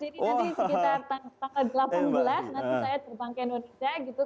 jadi nanti sekitar tanggal delapan belas nanti saya terbang ke indonesia gitu